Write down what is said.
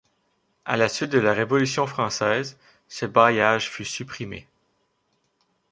A la suite de la révolution française, ce bailliage fut supprimé.